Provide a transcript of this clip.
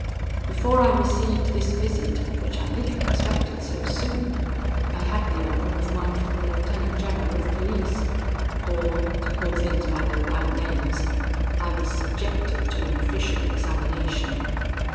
"Before I received this visit, which I little expected so soon, I had the honour of one from the lieutenant general of police, or, to call things by their right names, I was subjected to an official examination.